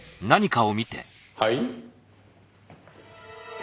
はい？